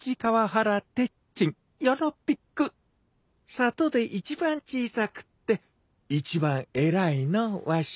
里で一番小さくって一番偉いのわし。